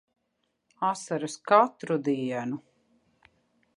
Asaras katru dienu.